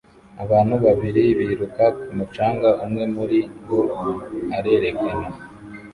Abantu babiri biruka ku mucanga umwe muri bo arerekana